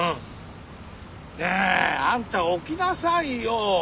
ねえあんた起きなさいよ！